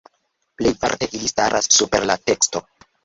Plejparte ili staras super la teksto.